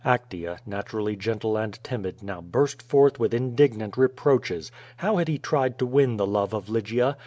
Actea, naturally gentle and timid, now burst forth with indignant reproaches. How had he tried to win the love of Lygia?